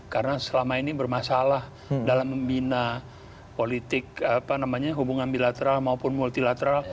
karena selama ini bermasalah dalam membina politik apa namanya hubungan bilateral maupun multilateral